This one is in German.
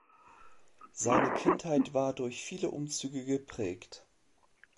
Seine Kindheit war durch viele Umzüge geprägt.